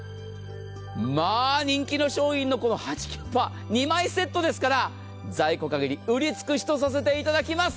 まあ人気の商品のこのハチキュッパ２枚セットですから在庫限り売り尽くしとさせていただきます。